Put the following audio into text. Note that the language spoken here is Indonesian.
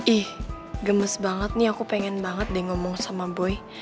ih gemes banget nih aku pengen banget deh ngomong sama boy